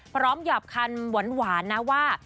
พร้อมหยาบคันหวานนะว่า